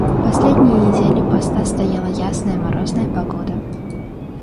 Последние недели поста стояла ясная, морозная погода.